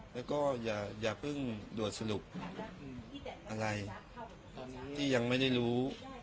และก็อย่าเพิ่งรวดสรุปอะไรที่ยังไม่ได้รู้